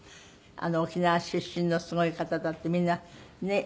沖縄出身のすごい方だってみんなねえ。